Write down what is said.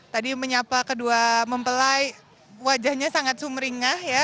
tadi menyapa kedua mempelai wajahnya sangat sumeringah ya